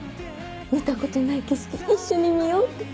「見たことない景色一緒に見よう」って。